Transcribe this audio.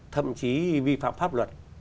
thậm chí vi phạm pháp luật